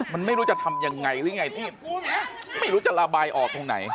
มันไม่รู้จะทำยังไงหรือไงที่ไม่รู้จะระบายออกตรงไหน